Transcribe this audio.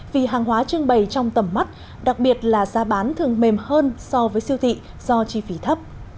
vì hàng hóa trưng bày trong tầm mắt đặc biệt là giá bán thường mềm hơn so với siêu thị do chi phí thấp